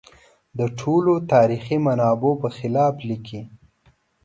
د ټولو تاریخي منابعو په خلاف لیکي.